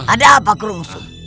ada apa kurungsu